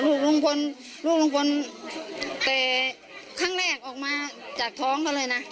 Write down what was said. ลูกลงพลเตะครั้งแรกออกมาจากท้องเขาเลยนะ